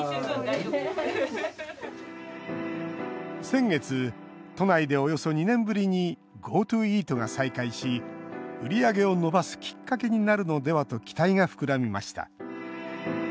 先月、都内でおよそ２年ぶりにＧｏＴｏイートが再開し売り上げを伸ばすきっかけになるのではと期待が膨らみました。